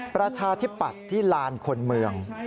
ประชาธิปัตย์ที่ลานคนเมือง